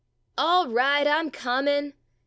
All right — I 'm coming.